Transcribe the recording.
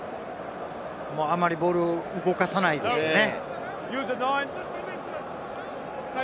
もうあまりボールを動かさないですよね。